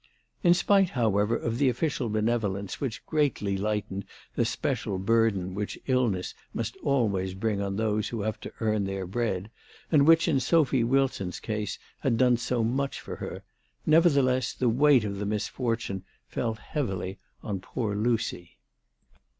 In spite, however, of the official benevolence which greatly lightened the special burden which illness must always bring on those who have to earn their bread, and which in Sophy Wilson's case had done so much for her, nevertheless the weight of the misfortune fell heavily on poor Lucy.